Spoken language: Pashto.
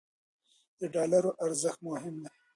د ډالرو ارزښت مهم دی.